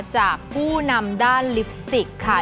จากผู้นำด้านลิปสติกค่ะ